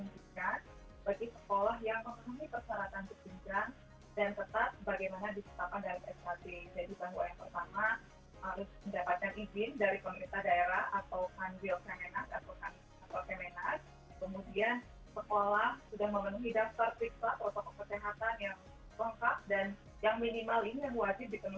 jadi kita harus memiliki hak yang lebih baik